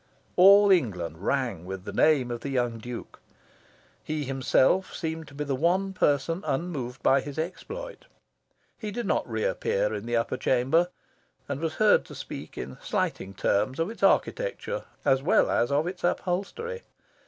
All England rang with the name of the young Duke. He himself seemed to be the one person unmoved by his exploit. He did not re appear in the Upper Chamber, and was heard to speak in slighting terms of its architecture, as well as of its upholstery.